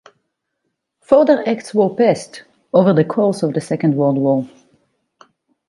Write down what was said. Further Acts were passed over the course of the Second World War.